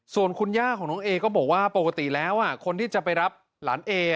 ส่วนคุณย่าของน้องเอก็บอกว่าปกติแล้วคนที่จะไปรับหลานเอ